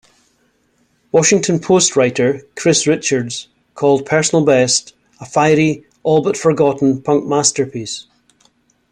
"Washington Post" writer Chris Richards called "Personal Best" "a fiery, all-but-forgotten punk masterpiece".